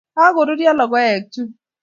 Kagoruryo logoek chun